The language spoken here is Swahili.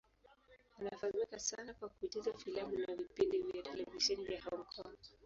Anafahamika sana kwa kucheza filamu na vipindi vya televisheni vya Hong Kong.